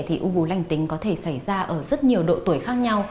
thì u vú lành tính có thể xảy ra ở rất nhiều độ tuổi khác nhau